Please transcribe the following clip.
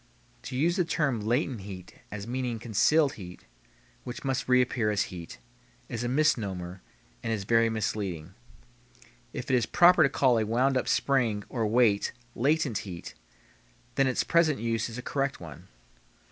To use the term latent heat as meaning concealed heat, which must reappear as heat, is a misnomer and is very misleading. If it is proper to call a wound up spring or weight latent heat then its present use is a correct one.